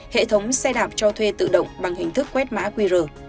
hệ thống xe đạp cho thuê tự động bằng hình thức quét mã qr